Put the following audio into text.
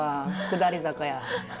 下り坂や。